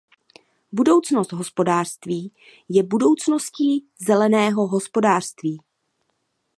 Budoucnost hospodářství je budoucností zeleného hospodářství.